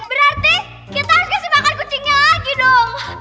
berarti kita harus makan kucingnya lagi dong